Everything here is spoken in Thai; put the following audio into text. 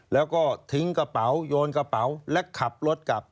แล้วก็ทิ้งกระเป๋าโยนกระเป๋าและขับรถกลับ